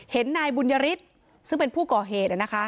เห็นนายบุญญฤทธิ์ซึ่งเป็นผู้ก่อเหดนะคะ